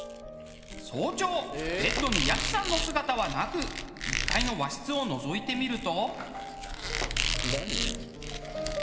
早朝ベッドにやすさんの姿はなく１階の和室をのぞいてみると。